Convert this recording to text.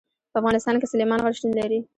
په افغانستان کې سلیمان غر شتون لري.